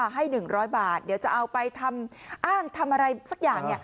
ให้๑๐๐บาทเดี๋ยวจะเอาไปทำอ้างทำอะไรสักอย่าง